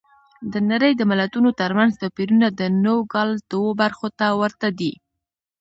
د نړۍ د ملتونو ترمنځ توپیرونه د نوګالس دوو برخو ته ورته دي.